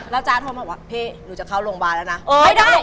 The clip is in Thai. แล้วจ๊ะโทรมาบอกว่าพี่หนูจะเข้าโรงพยาบาลแล้วนะ